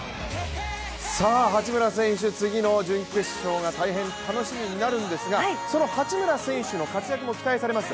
八村選手、次の準決勝が大変楽しみになるんですが、その八村選手の活躍も期待されます